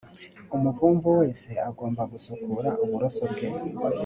umuvumvu wese agomba gusukura uburoso bwe